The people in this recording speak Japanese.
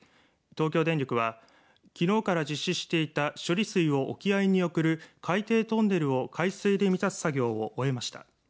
東京電力はきのうから実施していた処理水を沖合に送る海底トンネルを海水で満たす作業を終えました。